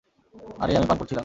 আরে আমি পানি পান করছিলাম।